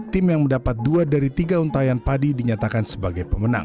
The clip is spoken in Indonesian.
tim yang mendapat dua dari tiga untayan padi dinyatakan sebagai pemenang